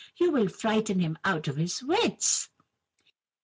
You will frighten him out of his wits.